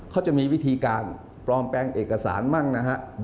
เขาจะมีวิธีการปลอมแปลงเอกสารมั่งนะฮะ